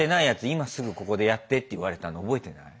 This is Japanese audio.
今すぐここでやってって言われたの覚えてない？